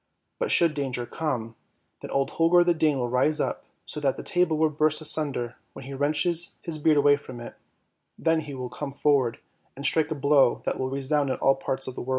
But should danger come, then old Holger the Dane will rise up, so that the table will burst asunder when he wrenches his beard away from it, then he will come forward and strike a blow that will resound in all parts of the world.